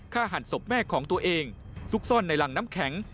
หั่นศพแม่ของตัวเองซุกซ่อนในรังน้ำแข็ง